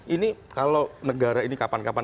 ini kalau negara ini kapan kapan